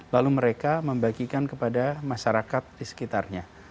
lalu mereka membagikan kepada masyarakat di sekitarnya